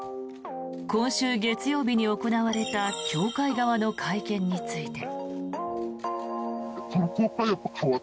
今週月曜日に行われた教会側の会見について。